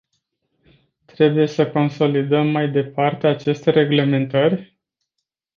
Trebuie să consolidăm mai departe aceste reglementări?